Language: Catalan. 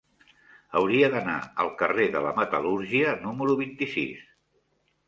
Hauria d'anar al carrer de la Metal·lúrgia número vint-i-sis.